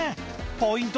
ポイント